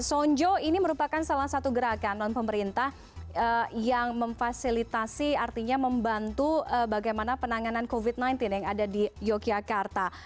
sonjo ini merupakan salah satu gerakan non pemerintah yang memfasilitasi artinya membantu bagaimana penanganan covid sembilan belas yang ada di yogyakarta